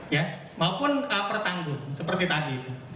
ya maupun pertanggung seperti tadi